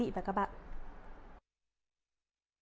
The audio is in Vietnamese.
hẹn gặp lại các bạn trong những video tiếp theo